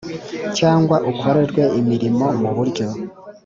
cyangwa ukorerwe imirimo mu buryo